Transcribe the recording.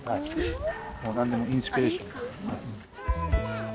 何でもインスピレーションで。